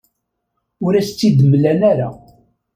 Ur as-tt-id-mlan ara.